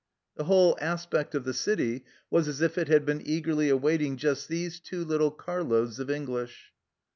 The whole aspect of the city was as if it had been eagerly awaiting just these two little car loads of English.